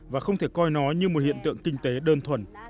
và không thể coi nó như một hiện tượng kinh tế đơn thuần